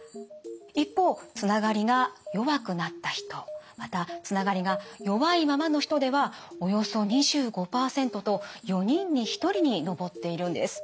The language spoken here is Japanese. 一方つながりが弱くなった人またつながりが弱いままの人ではおよそ２５％と４人に１人に上っているんです。